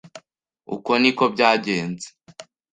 Uku niko byagenze.